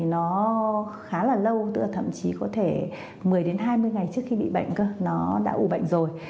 nó khá là lâu tựa thậm chí có thể một mươi đến hai mươi ngày trước khi bị bệnh nó đã ủ bệnh rồi